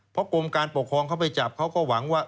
เพราะกรมการปกครองเขาไปจับเขาก็หวังว่า